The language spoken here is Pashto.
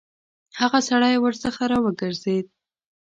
هغه سړی ورڅخه راوګرځېد.